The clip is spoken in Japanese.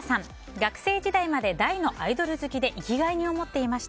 学生時代まで大のアイドル好きで生きがいに思っていました。